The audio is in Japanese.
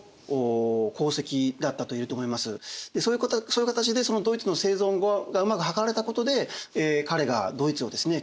そういう形でドイツの生存がうまく図れたことで彼がドイツをですね